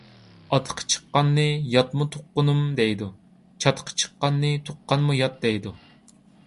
ئاتىقى چىققاننى ياتمۇ تۇغقىنىم دەيدۇ، چاتىقى چىققاننى تۇغقانمۇ يات دەيدۇ.